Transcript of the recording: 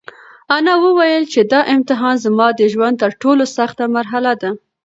انا وویل چې دا امتحان زما د ژوند تر ټولو سخته مرحله ده.